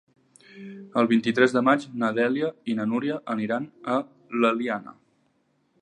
El vint-i-tres de maig na Dèlia i na Núria aniran a l'Eliana.